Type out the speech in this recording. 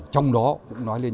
trong đó cũng nói lên